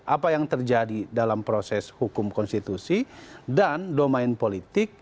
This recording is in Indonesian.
apa yang terjadi dalam proses hukum konstitusi dan domain politik